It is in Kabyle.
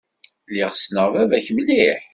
Lliɣ ssneɣ baba-k mliḥ.